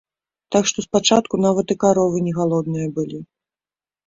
Так што спачатку нават і каровы не галодныя былі.